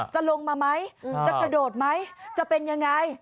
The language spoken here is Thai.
จะลงมาไหมจะกระโดดไหมจะเป็นยังไง